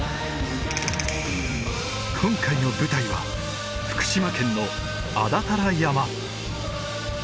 今回の舞台は福島県の安達太良山。